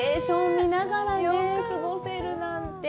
見ながら過ごせるなんて。